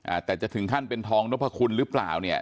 อาจจะถึงขั้นเป็นทองนพคุณหรือเปล่าเนี่ย